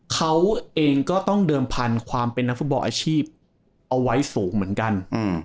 เขาเองก็ต้องเดิมพันธุ์ความเป็นนักฟุตบอลอาชีพเอาไว้สูงเหมือนกัน